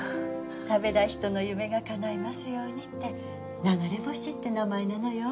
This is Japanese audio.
食べた人の夢がかないますようにってながれぼしって名前なのよ。